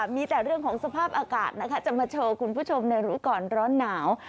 มีแต่เรื่องของสภาพอากาศนะคะจะมาโชว์คุณผู้ชมในรู้ก่อนร้อนหนาว